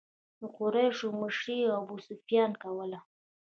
د قریشو مشري ابو سفیان کوله.